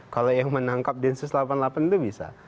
kalau yang menangkap densus delapan puluh delapan itu bisa